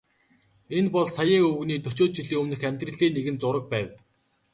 Энэ бол саяын өвгөний дөчөөд жилийн өмнөх амьдралын нэгэн зураг байв.